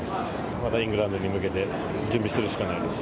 またイングランドに向けて準備するしかないです。